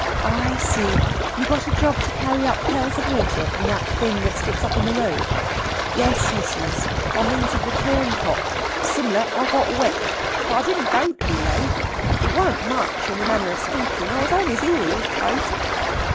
"I see, you got a job to carry up pails of water from that thing that sticks up in the road?" "Yes, missis; by means of the turncock. Sim'lar I got wet. But I didn't go to be late. It warn't much, in the manner of speakin'. I was on his 'eels, clost."